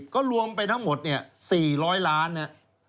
๕๐ก็รวมไปทั้งหมด๔๐๐ล้านนะ